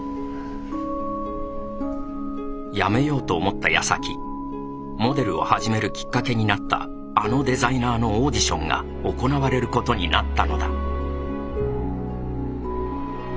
辞めようと思ったやさきモデルを始めるきっかけになったあのデザイナーのオーディションが行われることになったのだ。